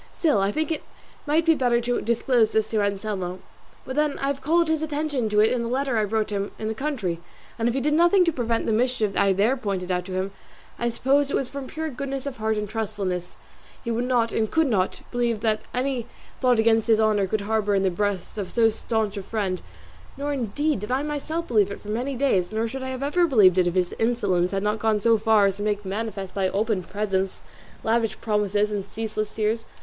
Still, I think it might be better to disclose this to Anselmo. But then I have called his attention to it in the letter I wrote to him in the country, and, if he did nothing to prevent the mischief I there pointed out to him, I suppose it was that from pure goodness of heart and trustfulness he would not and could not believe that any thought against his honour could harbour in the breast of so stanch a friend; nor indeed did I myself believe it for many days, nor should I have ever believed it if his insolence had not gone so far as to make it manifest by open presents, lavish promises, and ceaseless tears.